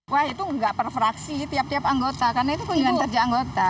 wah itu nggak per fraksi tiap tiap anggota karena itu kunjungan kerja anggota